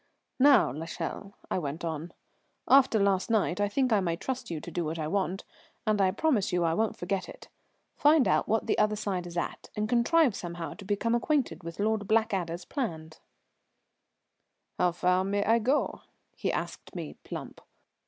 "Now, l'Echelle," I went on, "after last night I think I may trust you to do what I want, and I promise you I won't forget it. Find out what the other side is at, and contrive somehow to become acquainted with Lord Blackadder's plans." "How far may I go?" he asked me plump.